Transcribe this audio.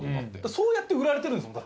そうやって売られてるんですもん。